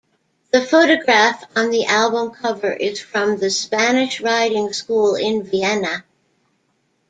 The photograph on the album cover is from the Spanish Riding School in Vienna.